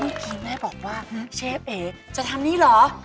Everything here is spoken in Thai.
ทีแม่บอกว่าเชฟเอ๋จะทำนี่เหรอ